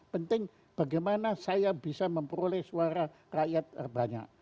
penting bagaimana saya bisa memperoleh suara rakyat terbanyak